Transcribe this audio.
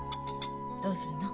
どうするの？